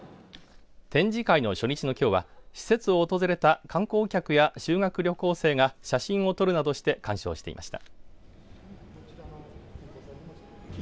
展示会の初日のきょうは施設を訪れた観光客や修学旅行生が写真を撮るなどして鑑賞していました。